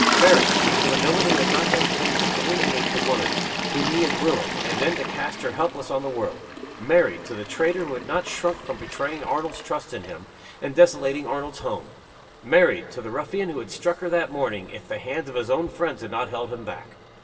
Married to the villain who had not hesitated to calumniate the woman whom he had ruined, and then to cast her helpless on the world. Married to the traitor who had not shrunk from betraying Arnold's trust in him, and desolating Arnold's home. Married to the ruffian who would have struck her that morning, if the hands of his own friends had not held him back.